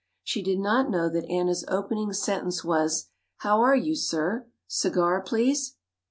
She did not know that Anna's opening sentence was, "How are you, sir? Cigar, please!"